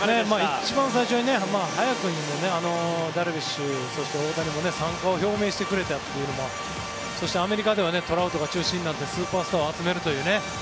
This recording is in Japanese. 一番最初に早くにダルビッシュそして大谷も参加を表明してくれたというのもそしてアメリカではトラウトが中心になってスーパースターを集めるというね。